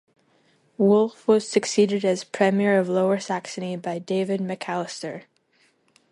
Wulff was succeeded as Premier of Lower Saxony by David McAllister.